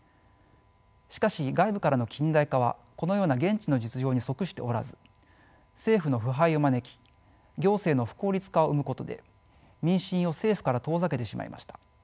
しかし外部からの近代化はこのような現地の実情に即しておらず政府の腐敗を招き行政の不効率化を生むことで民心を政府から遠ざけてしまいました。